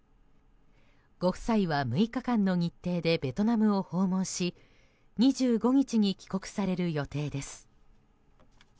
ご夫妻は、６日間の日程でベトナムを訪問し２５日に帰国される予定です。